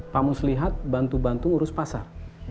kamu selihat bantu bantu ngurus pasar